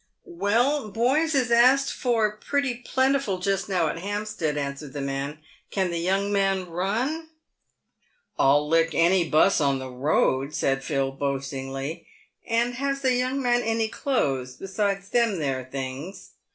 " "Well, boys is asked for pretty plentiful just now at Hampstead," answered the man. " Can the young man run ?"" I'll lick any 'bus on the road," said Phil, boastingly. " And has the young man any clothes besides them there things